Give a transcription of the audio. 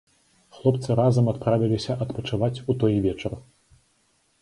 Хлопцы разам адправіліся адпачываць у той вечар.